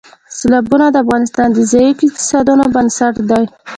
سیلابونه د افغانستان د ځایي اقتصادونو بنسټ دی.